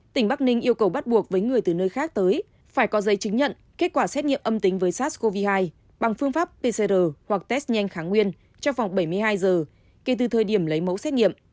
tỉnh bắc ninh yêu cầu bắt buộc với người từ nơi khác tới phải có giấy chứng nhận kết quả xét nghiệm âm tính với sars cov hai bằng phương pháp pcr hoặc test nhanh kháng nguyên trong vòng bảy mươi hai giờ kể từ thời điểm lấy mẫu xét nghiệm